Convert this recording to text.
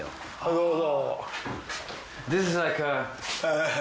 どうぞ。